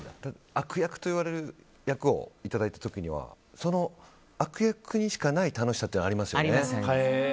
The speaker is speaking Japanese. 悪役といわれる役をいただいた時には悪役にしかない楽しさというのはありますよね。